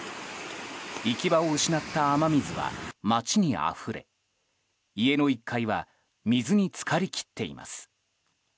行き場を失った雨水は街にあふれ家の１階は水に浸かりきっています。